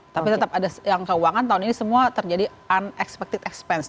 tapi tetap ada yang keuangan tahun ini semua terjadi unexpected expense